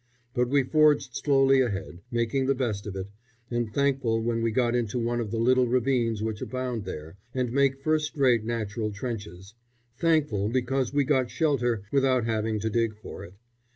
But we forged slowly ahead, making the best of it, and thankful when we got into one of the little ravines which abound there, and make first rate natural trenches thankful because we got shelter without having to dig for it.